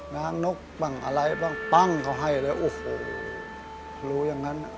ง้างนกบ้างอะไรบ้างปั้งเขาให้เลยโอ้โหรู้อย่างนั้น